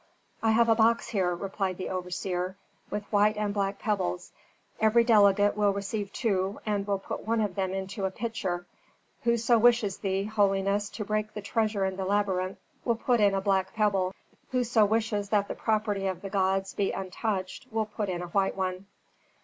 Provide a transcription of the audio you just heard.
"I have a box here," replied the overseer, "with white and black pebbles. Every delegate will receive two and will put one of them into a pitcher; whoso wishes thee, holiness, to break the treasure in the labyrinth will put in a black pebble; whoso wishes that the property of the gods be untouched will put in a white one."